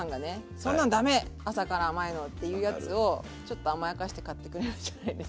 そんなんダメ朝から甘いのっていうやつをちょっと甘やかして買ってくれるんじゃないんですか。